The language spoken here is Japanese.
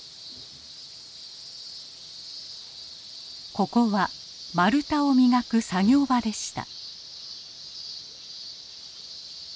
ここは丸太を磨く作業場でした。